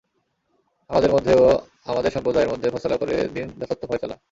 আমাদের মধ্যে ও আমাদের সম্প্রদায়ের মধ্যে ফয়সালা করে দিন যথার্থ ফয়সালা।